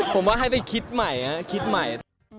ผมว่าให้ได้คิดใหม่คิดใหม่